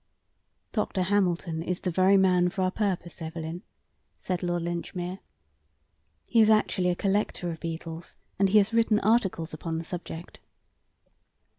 "Dr. Hamilton is the very man for our purpose, Evelyn," said Lord Linchmere. "He is actually a collector of beetles, and he has written articles upon the subject."